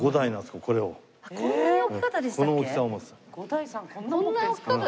こんなに大きかったでしたっけ？